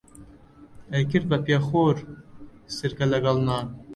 ئەیکرد بە پێخۆر سرکە لەگەڵ نان